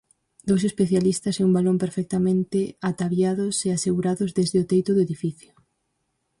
Dous especialistas e un balón perfectamente ataviados e asegurados desde o teito do edificio.